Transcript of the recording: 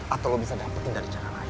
atau lu bisa dapetin dari cara lain